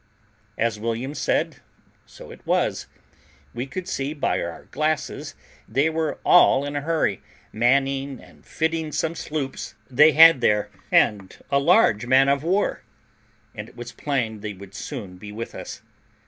As William said, so it was. We could see by our glasses they were all in a hurry, manning and fitting some sloops they had there, and a large man of war, and it was plain they would soon be with us.